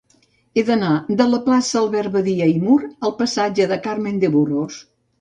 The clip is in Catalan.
He d'anar de la plaça d'Albert Badia i Mur al passatge de Carmen de Burgos.